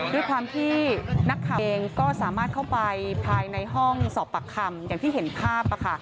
ด้วยความที่นักข่าวเองก็สามารถเข้าไปภายในห้องสอบปากคำอย่างที่เห็นภาพค่ะ